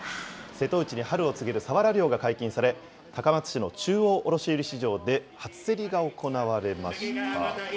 瀬戸内に春を告げるサワラ漁が解禁され、高松市の中央卸売市場で、初競りが行われました。